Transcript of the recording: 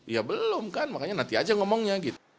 ya belum kan makanya nanti aja ngomongnya gitu